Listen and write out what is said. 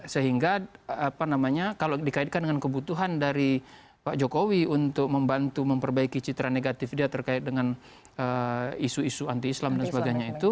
sehingga apa namanya kalau dikaitkan dengan kebutuhan dari pak jokowi untuk membantu memperbaiki citra negatif dia terkait dengan isu isu anti islam dan sebagainya itu